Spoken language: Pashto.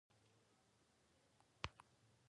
ځینې وختونه لویې ګټې او ځینې وخت زیانونه لري